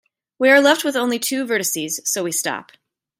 We are left with only two vertices, so we stop.